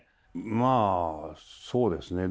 まあそうですね。